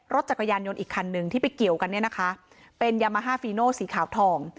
รถจักรยานยนต์อีกคันหนึ่งที่ไปเกี่ยวกันเนี่ยนะคะเป็นยามาฮาฟีโนสีขาวทอง